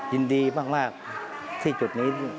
ยินดีมากที่จุดนี้